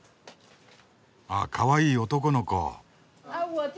あかわいい男の子。